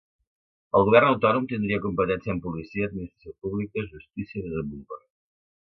El govern autònom tindria competència en policia, administració pública, justícia, i desenvolupament.